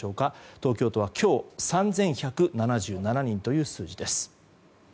東京都は今日３１７７人という数字です。